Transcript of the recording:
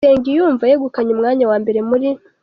nsengiyumva yegukanye umwanya wa mbere muri